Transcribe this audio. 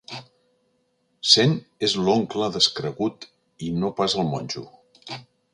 Cent és l'oncle descregut i no pas el monjo.